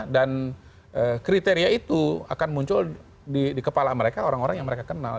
kriteria itu akan muncul di kepala mereka orang orang yang mereka kenal